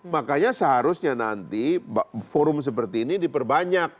makanya seharusnya nanti forum seperti ini diperbanyak